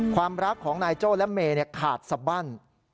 ความรักของนายโจ้และเมย์ขาดสบั้น